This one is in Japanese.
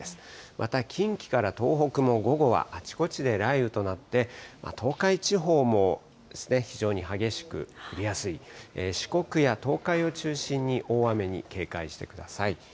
また近畿から東北も午後はあちこちで雷雨となって、東海地方も非常に激しく降りやすい、四国や東海を中心に、大雨に警戒してください。